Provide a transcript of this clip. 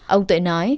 ông tuệ nói